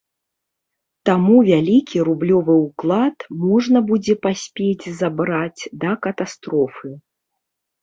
Таму вялікі рублёвы ўклад можна будзе паспець забраць да катастрофы.